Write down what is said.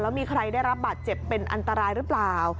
มีใครได้รับบาดเจ็บเป็นอันตรายหรือเปล่า